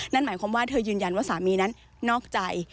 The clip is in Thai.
นั่นหมายความว่าเธอยืนยันว่าสามีนั้นนอกใจ